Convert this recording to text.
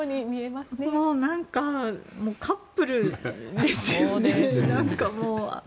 カップルですよね。